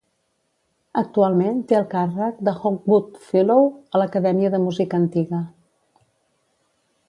Actualment té el càrrec de Hogwood Fellow a l'acadèmia de música antiga.